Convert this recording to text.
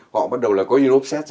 họ bắt đầu là có in offset